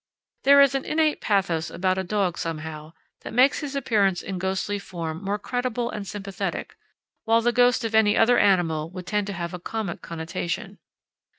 There is an innate pathos about a dog somehow, that makes his appearance in ghostly form more credible and sympathetic, while the ghost of any other animal would tend to have a comic connotation.